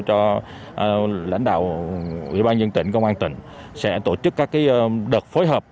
cho lãnh đạo ủy ban nhân tỉnh công an tỉnh sẽ tổ chức các đợt phối hợp